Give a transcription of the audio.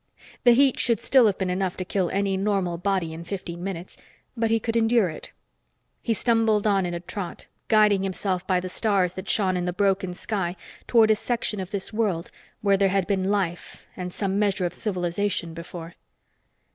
The heat should still have been enough to kill any normal body in fifteen minutes, but he could endure it. He stumbled on in a trot, guiding himself by the stars that shone in the broken sky toward a section of this world where there had been life and some measure of civilization before.